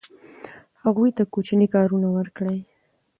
هغوی ته کوچني کارونه ورکړئ.